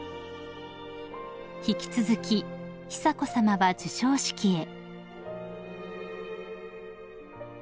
［引き続き久子さまは授賞式へ］